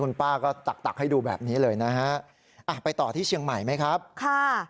คุณป้าก็ตักตักให้ดูแบบนี้เลยนะฮะอ่ะไปต่อที่เชียงใหม่ไหมครับค่ะ